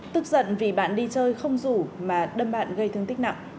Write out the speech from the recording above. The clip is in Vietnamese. tức giận vì bạn đi chơi không rủ mà đâm bạn gây thương tích nặng